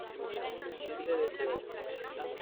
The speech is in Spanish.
En ese Dto.